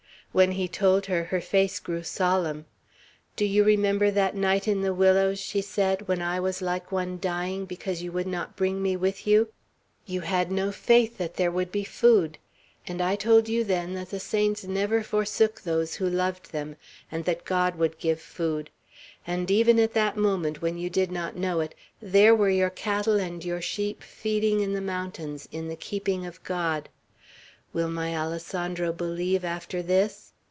When he told her, her face grew solemn. "Do you remember that night in the willows," she said, "when I was like one dying, because you would not bring me with you? You had no faith that there would be food. And I told you then that the saints never forsook those who loved them, and that God would give food. And even at that moment, when you did not know it, there were your cattle and your sheep feeding in the mountains, in the keeping of God! Will my Alessandro believe after this?"